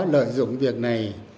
lợi dụng việc này